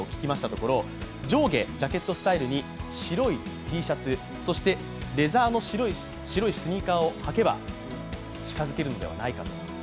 ところ上下ジャケットスタイルに白いＴシャツそしてレザーの白いスニーカーを履けば近づけるのではないかと。